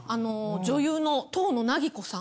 女優の遠野なぎこさん